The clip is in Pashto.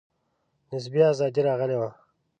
نسبي آزادي راغلې وه.